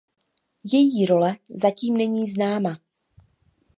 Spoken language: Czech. Její role zatím není známa.